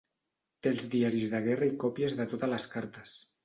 Té els diaris de guerra i còpies de totes les cartes.